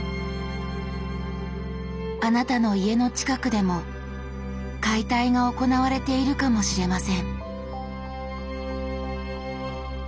あなたの家の近くでも解体が行われているかもしれません。